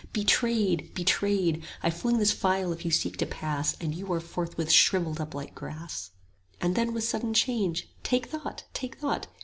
Betrayed! betrayed! I fling this phial if you seek to pass, 35 And you are forthwith shrivelled up like grass. And then with sudden change, Take thought! take thought!